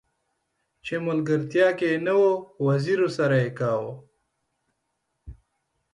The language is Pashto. چې ملګرتيا کې نه وزيرو سره يې کاوه.